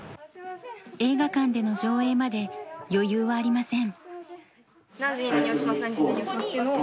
映画館での上映まで余裕はありません。